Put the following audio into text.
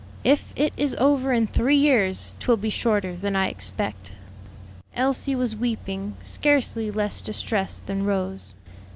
If it is over in three years, 'twill be shorter than I expect." Elsie was weeping, scarcely less distressed than Rose.